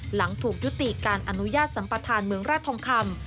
หลังถูกยุติการอนุญาตสัมปทานเมืองราชทองคำ